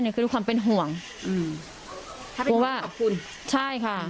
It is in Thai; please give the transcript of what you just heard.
หนึ่งคือด้วยความเป็นห่วงอืมถ้าเป็นคนขอบคุณใช่ค่ะ